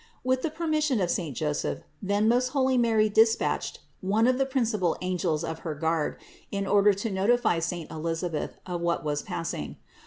With the permission of saint Joseph, then most holy Mary despatched one of the principal angels of her guard, in order to notify saint Elisabeth of what was passing.